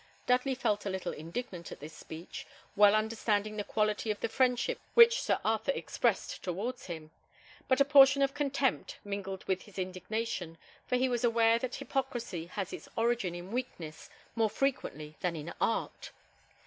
Dudley felt a little indignant at this speech, well understanding the quality of the friendship which Sir Arthur expressed towards him; but a portion of contempt mingled with his indignation, for he was aware that hypocrisy has its origin in weakness more frequently than in art.